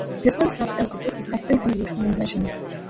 The story served as the basis for three Hollywood film versions.